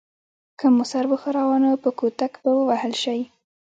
که مو سر وښوراوه نو په کوتک به ووهل شئ.